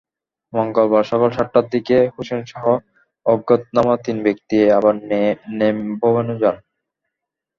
মঙ্গলবার সকাল সাতটার দিকে হোসেনসহ অজ্ঞাতনামা তিন ব্যক্তি আবার ন্যাম ভবনে যান।